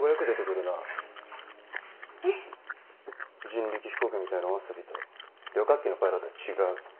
人力飛行機みたいなお遊びと旅客機のパイロットは違う。